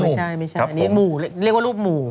ไม่ใช่ไม่ใช่อันนี้หมู่เรียกว่ารูปหมู่